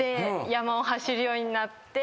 山を走るようになって。